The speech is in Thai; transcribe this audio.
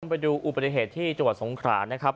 ไปดูอุบัติเหตุที่จังหวัดสงขรานะครับ